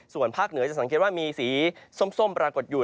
ส่วนภาคเหนือจะสังเกตว่ามีสีส้มปรากฏอยู่